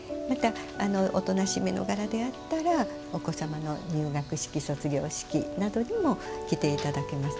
また、おとなしめの柄であったらお子様の入学式、卒業式にも着ていただけます。